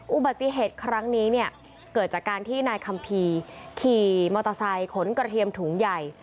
อุบัติเหตุครั้งนี้เนี่ยเกิดจากการที่นายคัมภีร์ขี่มอเตอร์ไซค์ขนกระเทียมถุงใหญ่